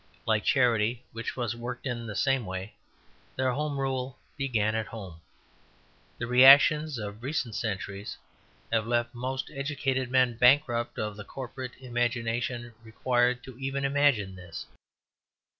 Like charity, which was worked in the same way, their Home Rule began at home. The reactions of recent centuries have left most educated men bankrupt of the corporate imagination required even to imagine this.